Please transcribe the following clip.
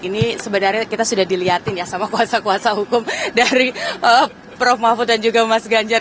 ini sebenarnya kita sudah dilihatin ya sama kuasa kuasa hukum dari prof mahfud dan juga mas ganjar